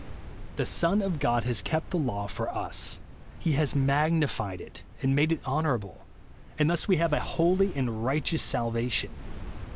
The Son of God has kept the law for us ; he has magnified it and made it honourable ; and thus we have a holy and righteous salvation.